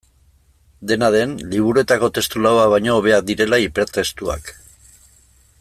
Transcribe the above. Dena den, liburuetako testu lauak baino hobeak direla hipertestuak.